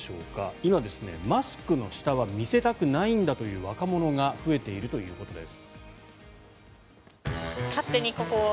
今、マスクの下は見せたくないんだという若者が増えているということです。